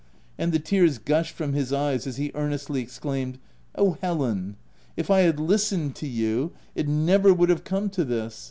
And the tears gushed from his eyes as he earnestly exclaimed, — u Oh, Helen, if I had listened to you, it never would have come to this